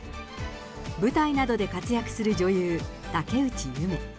舞台などで活躍する女優、竹内夢。